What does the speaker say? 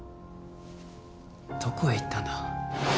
どこへ行ったんだ？